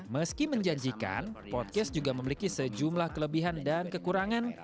meski menjanjikan podcast juga memiliki sejumlah kelebihan dan kekurangan